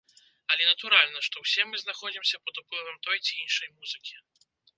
Але натуральна, што ўсе мы знаходзімся пад уплывам той ці іншай музыкі.